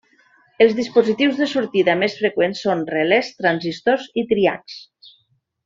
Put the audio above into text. Els dispositius de sortida més freqüents són relés, transistors i triacs.